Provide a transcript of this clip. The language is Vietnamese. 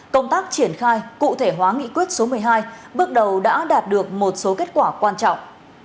công tác triển khai cụ thể hóa nghị quyết số một mươi hai bước đầu đã đạt được một số kết quả quan trọng